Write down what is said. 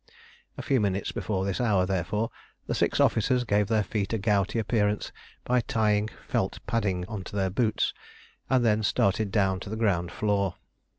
A few minutes before this hour, therefore, the six officers gave their feet a gouty appearance by tying felt padding on to their boots, and then started down to the ground floor.